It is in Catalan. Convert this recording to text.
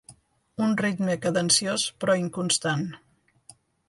Un ritme cadenciós però inconstant.